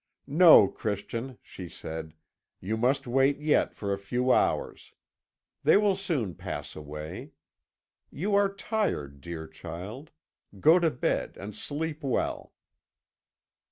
"'No, Christian,' she said, 'you must wait yet for a few hours. They will soon pass away. You are tired, dear child. Go to bed and sleep well.'